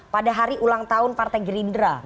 pada hari ulang tahun partai gerindra